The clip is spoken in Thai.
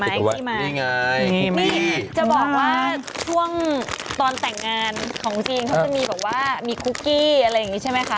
นี่ไงนี่จะบอกว่าท่วงตอนแต่งงานของจีนของมีมีคุกกี้อะไรแบบนี้ใช่ไหมคะ